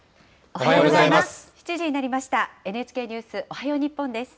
おはようございます。